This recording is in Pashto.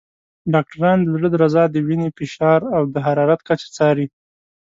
ډاکټران د زړه درزا، د وینې فشار، او د حرارت کچه څاري.